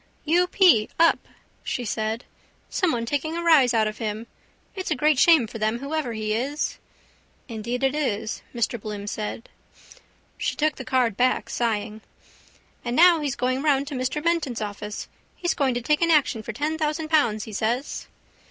—U. p: up, she said. Someone taking a rise out of him. It's a great shame for them whoever he is. —Indeed it is, Mr Bloom said. She took back the card, sighing. —And now he's going round to Mr Menton's office. He's going to take an action for ten thousand pounds, he says.